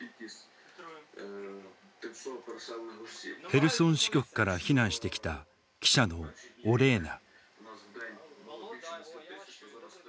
ヘルソン支局から避難してきた記者のオレーナ。